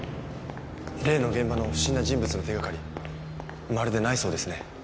例の現場の不審な人物の手がかりまるでないそうですね。